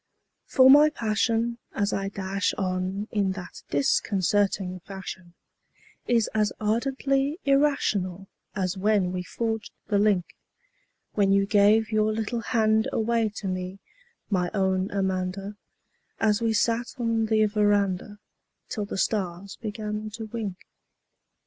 For my passion as I dash on in that disconcerting fashion Is as ardently irrational as when we forged the link When you gave your little hand away to me, my own Amanda An we sat 'n the veranda till the stars began to wink.